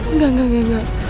enggak enggak enggak